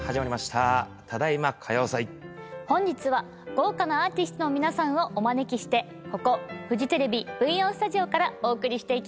『ただ今，歌謡祭』本日は豪華なアーティストの皆さんをお招きしてここフジテレビＶ４スタジオからお送りしていきます。